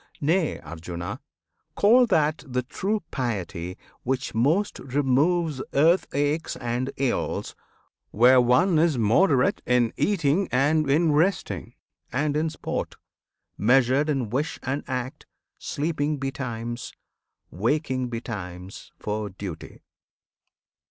Nay, Arjuna! call That the true piety which most removes Earth aches and ills, where one is moderate In eating and in resting, and in sport; Measured in wish and act; sleeping betimes, Waking betimes for duty.